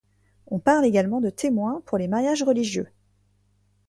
On parle également de témoins pour les mariages religieux.